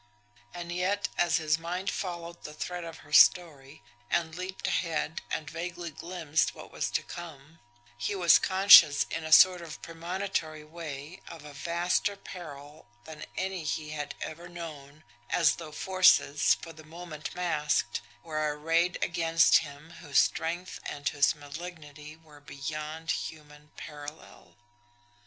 And yet as his mind followed the thread of her story, and leaped ahead and vaguely glimpsed what was to come, he was conscious in a sort of premonitory way of a vaster peril than any he had ever known, as though forces, for the moment masked, were arrayed against him whose strength and whose malignity were beyond human parallel.